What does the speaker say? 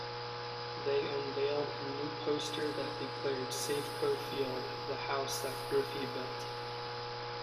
They unveiled a new poster that declared Safeco Field The House That Griffey Built.